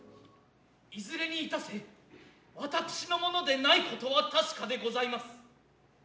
いづれにいたせ私のものでないことは確でございます。